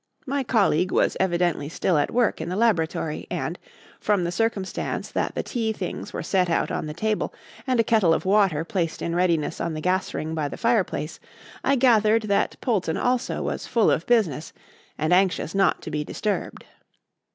My colleague was evidently still at work in the laboratory, and, from the circumstance that the tea things were set out on the table and a kettle of water placed in readiness on the gas ring by the fireplace, I gathered that Polton also was full of business and anxious not to be disturbed.